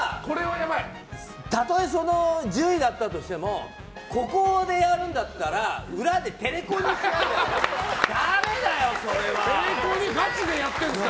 たとえその順位だったとしてもここでやるんだったら裏でテレコにしなきゃ。